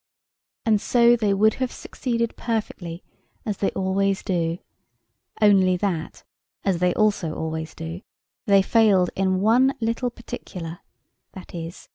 And so they would have succeeded perfectly, as they always do, only that (as they also always do) they failed in one little particular, viz.